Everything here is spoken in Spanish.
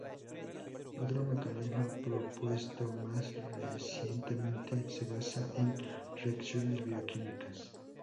Otro mecanismo propuesto más recientemente se basa en reacciones bioquímicas.